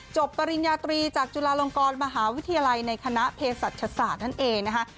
ปริญญาตรีจากจุฬาลงกรมหาวิทยาลัยในคณะเพศศาสตร์นั่นเองนะคะ